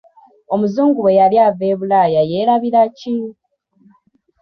Omuzungu bwe yali ava e Bulaaya yeerabira ki?